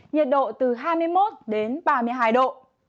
nhiệt độ từ hai mươi một đến ba mươi hai độ